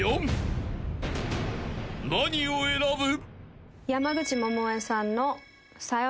［何を選ぶ？］